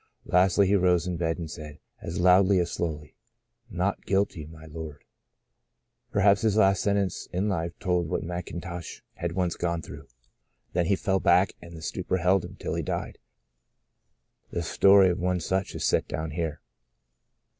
Lastly, he rose in bed and said, as loudly as slowly :* Not guilty, my Lord T " Perhaps his last sen tence in life told what Mcintosh had once gone through. Then he fell back and the stupor held him till he died. The story of one such is set down here.